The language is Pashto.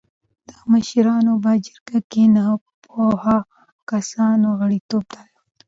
د مشرانو په جرګه کې نهه پوهو کسانو غړیتوب درلوده.